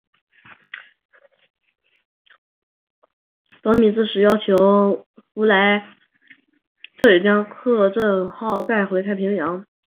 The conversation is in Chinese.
尼米兹即时要求弗莱彻将约克镇号带回中太平洋。